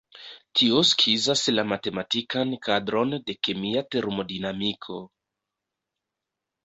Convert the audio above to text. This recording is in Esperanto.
Tio skizas la matematikan kadron de kemia termodinamiko.